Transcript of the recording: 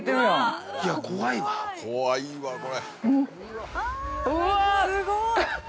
◆いや怖いわ。